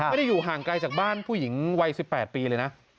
ไม่ได้อยู่ห่างไกลจากบ้านผู้หญิงวัย๑๘ปีเลยนะ